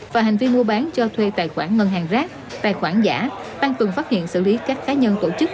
và hành vi mua bán cho thuê tài khoản ngân hàng rác tài khoản giả tăng cường phát hiện xử lý các cá nhân tổ chức